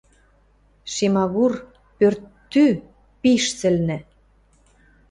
Шемагур пӧрттӱ пиш сӹлнӹ!